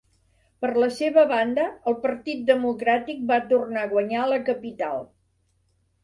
Per la seva banda, el Partit Democràtic va tornar a guanyar a la capital.